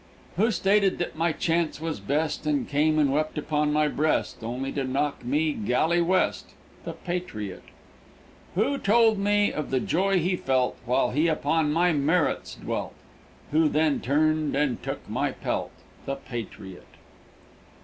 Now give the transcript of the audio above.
Who stated that my chance was best, And came and wept upon my breast, Only to knock me galley West? The Patriot. Who told me of the joy he felt, While he upon my merits dwelt? Who then turned in and took my pelt? The Patriot.